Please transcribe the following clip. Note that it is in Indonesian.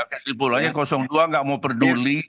kesimpulannya dua nggak mau peduli